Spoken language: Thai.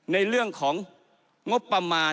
ในเรื่องของงบประมาณ